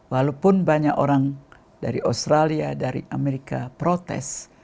walaupun banyak orang dari australia dari amerika protes